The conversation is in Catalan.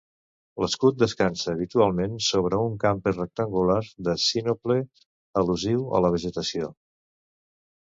L'escut descansa habitualment sobre un camper rectangular de sinople, al·lusiu a la vegetació.